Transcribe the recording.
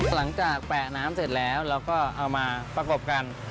แปะน้ำเสร็จแล้วเราก็เอามาประกบกัน